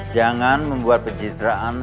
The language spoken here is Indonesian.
jangan membuat pencitraan